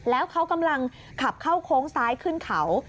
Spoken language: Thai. แล้วเขากำลังขับเข้าโค้งซ้ายขึ้นเขา